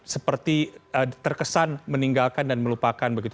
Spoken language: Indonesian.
seperti terkesan meninggalkan dan melupakan begitu